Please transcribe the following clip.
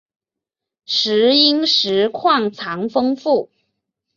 石英石矿藏丰富。